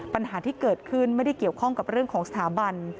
ปัญหาที่เกิดขึ้นไม่ได้เกี่ยวข้องกับเรื่องของสถาบัน